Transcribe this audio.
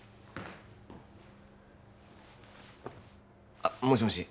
あもしもし